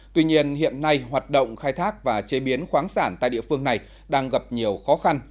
tuy nhiên hiện nay hoạt động khai thác và chế biến khoáng sản tại địa phương này đang gặp nhiều khó khăn